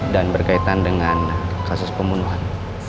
dan berkaitan dengan kasus pembunuhan